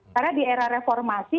karena di era reformasi